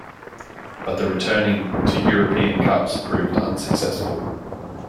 But the returning to European cups proved unsuccessful.